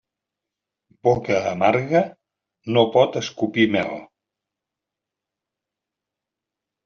Boca amarga, no pot escopir mel.